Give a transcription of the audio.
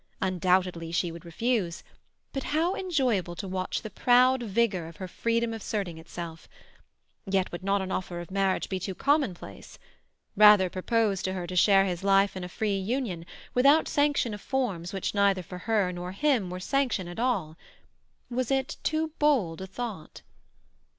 Undoubtedly she would refuse; but how enjoyable to watch the proud vigour of her freedom asserting itself! Yet would not an offer of marriage be too commonplace? Rather propose to her to share his life in a free union, without sanction of forms which neither for her nor him were sanction at all. Was it too bold a thought?